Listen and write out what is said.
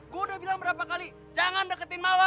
gue udah bilang berapa kali jangan deketin mawar